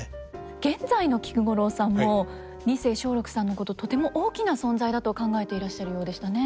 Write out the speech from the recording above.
現在の菊五郎さんも二世松緑さんのこととても大きな存在だと考えていらっしゃるようでしたね。